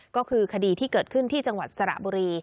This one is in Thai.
ก็คือคดีที่เกิดขึ้นที่จังหวัดสระบุรี